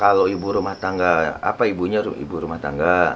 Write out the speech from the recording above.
kalau ibu rumah tangga apa ibunya ibu rumah tangga